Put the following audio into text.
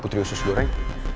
putri usus goreng